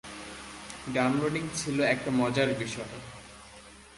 Downloading ছিল একটা মজার বিষয়!